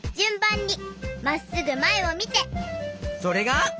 それが。